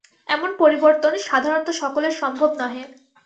এমন পরিবর্তন সাধারণত সকলের সম্ভব নহে।